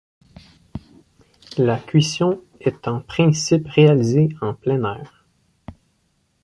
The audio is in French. La cuisson est en principe réalisée en plein air.